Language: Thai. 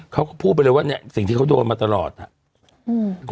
เขาก็พูดไปเลยว่าเนี่ยสิ่งที่เขาโดนมาตลอดอ่ะอืม